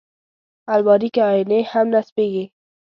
الماري کې آیینې هم نصبېږي